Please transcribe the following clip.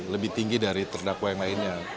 lebih tinggi dari terdakwa yang lainnya